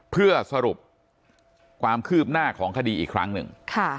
เพื่อสรุปความคืบหน้าของคดีอีกครั้งหนึ่ง